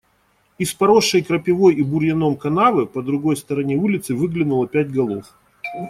Из поросшей крапивой и бурьяном канавы по другой стороне улицы выглянуло пять голов.